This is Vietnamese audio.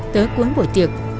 tới cuối buổi tiệc